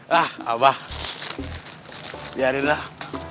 lah abah biarin lah